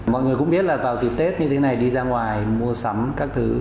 mọi người cũng biết là vào dịp tết như thế này đi ra ngoài mua sắm các thứ